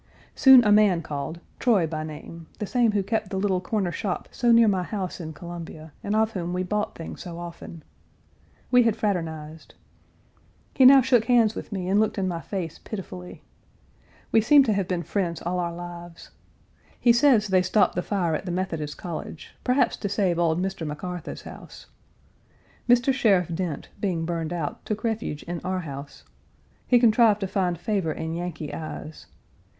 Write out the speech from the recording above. Soon a man called, Troy by name, the same who kept the little corner shop so near my house in Columbia, and of whom we bought things so often. We had fraternized. He now shook hands with me and looked in my face pitifully. We seemed to have been friends all our lives. He says they stopped the fire at the Methodist College, perhaps to save old Mr. McCartha's house. Mr. Sheriff Dent, being burned out, took refuge in our house. He contrived to find favor in Yankee eyes.